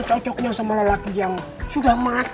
janganlah mandi mandi suruh lalat